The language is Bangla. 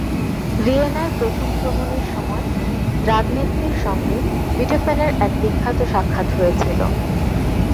ভিয়েনায় প্রথম ভ্রমণের সময়, দ্রাগনেত্তির সঙ্গে বিটোফেনের এক বিখ্যাত সাক্ষাৎ হয়েছিল।